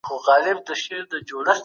پوليسو هغه مهال د بشري حقوقو ساتنه کوله.